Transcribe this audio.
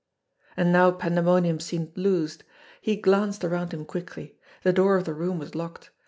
And now pandemonium seemed loosed! He glanced around him quickly. The door of the room was locked.